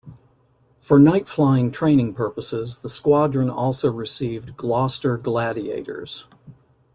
For night-flying training purposes the squadron also received Gloster Gladiators.